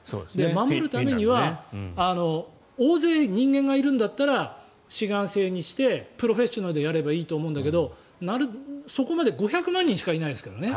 守るためには大勢、人間がいるんだったら志願制にしてプロフェッショナルでやればいいと思うんだけどそこまで５００何万人しかいないですからね。